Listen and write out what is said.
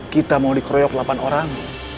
kita mau dikeroyok delapan orang